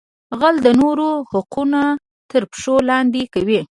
غل د نورو حقونه تر پښو لاندې کوي